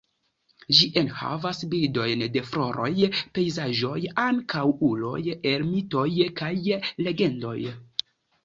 Ĝi enhavas bildojn de floroj, pejzaĝoj ankaŭ uloj el mitoj kaj legendoj.